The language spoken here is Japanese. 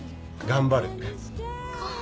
頑張るって。